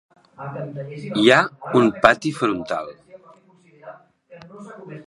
Hi ha un pati frontal.